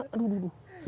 aduh aduh aduh